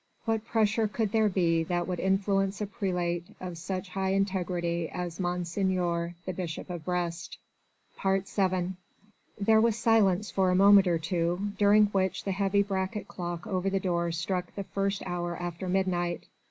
"What pressure could there be that would influence a prelate of such high integrity as Monseigneur the Bishop of Brest?" VII There was silence for a moment or two, during which the heavy bracket clock over the door struck the first hour after midnight.